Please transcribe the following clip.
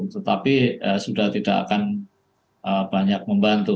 tetapi sudah tidak akan banyak membantu